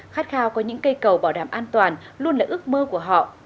khát khao có những cây cầu bảo đảm an toàn luôn là ước mơ của họ